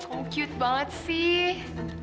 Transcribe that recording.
oh cute banget sih